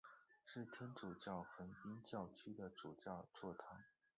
是天主教横滨教区的主教座堂。